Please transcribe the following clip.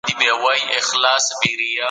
جنګونه د ټولني بنسټونه نړوي.